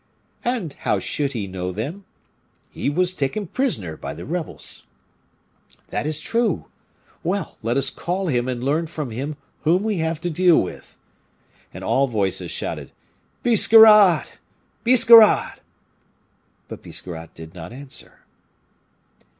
"And how should he know them?" "He was taken prisoner by the rebels." "That is true. Well! let us call him, and learn from him whom we have to deal with." And all voices shouted, "Biscarrat! Biscarrat!" But Biscarrat did not answer.